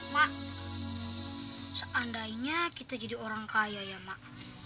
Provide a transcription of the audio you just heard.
mak seandainya kita jadi orang kaya ya mak